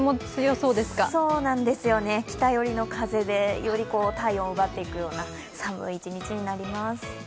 そうなんですよね、北寄りの風でより体温を奪っていくような寒い一日になります。